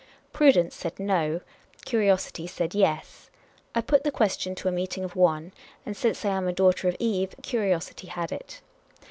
Prudence said 110 ; curiosity saidj^.?/ I put the ques tion to a meeting of one ; and, since I am a daughter of Kve, curiosity had it.